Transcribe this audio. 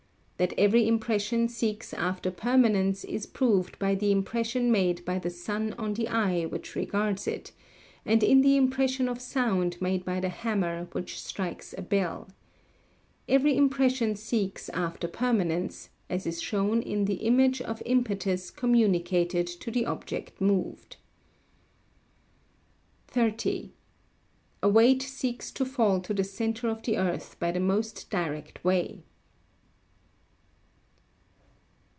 That every impression seeks after permanence is proved by the impression made by the sun on the eye which regards it, and in the impression of sound made by the hammer which strikes a bell. Every impression seeks after permanence, as is shown in the image of impetus communicated to the object moved. 30. A weight seeks to fall to the centre of the earth by the most direct way.